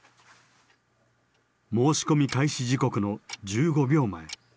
申し込み開始時刻の１５秒前。